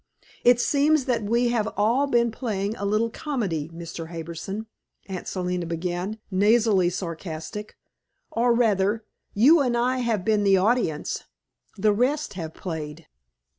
"It seems that we have all been playing a little comedy, Mr. Harbison," Aunt Selina began, nasally sarcastic. "Or rather, you and I have been the audience. The rest have played."